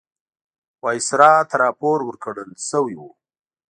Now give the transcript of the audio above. وایسرا ته راپور ورکړل شوی وو.